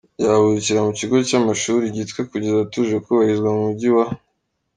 ryavukira mu kigo cy'amashuri i Gitwe kugeza tuje kubarizwa mu mujyi wa